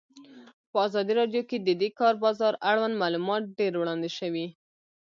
په ازادي راډیو کې د د کار بازار اړوند معلومات ډېر وړاندې شوي.